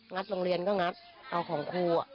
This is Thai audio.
ัดโรงเรียนก็งัดเอาของครู